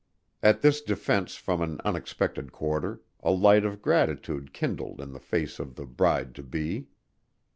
At this defense from an unexpected quarter, a light of gratitude kindled in the face of the bride to be.